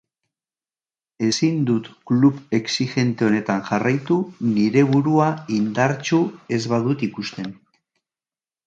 Ezin dut klub exigente honetan jarraitu nire burua indartsu ez badut ikusten.